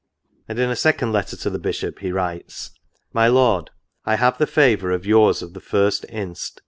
'* And in a second letter to the Bishop he writes :" My Lord, " I have the favour of yours of the 1st inst.